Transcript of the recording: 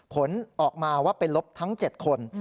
ผลออกมาว่าเป็นลบทั้ง๗คน